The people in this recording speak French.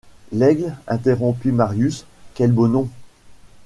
L’Aigle ! interrompit Marius, quel beau nom !